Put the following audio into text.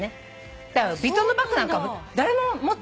だからヴィトンのバッグなんか誰も持って歩いてない。